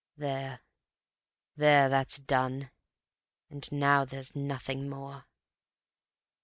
There, there, that's done; and now there's nothing more.